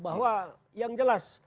bahwa yang jelas